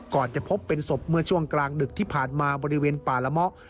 จะพบเป็นศพเมื่อช่วงกลางดึกที่ผ่านมาบริเวณป่าละเมาะ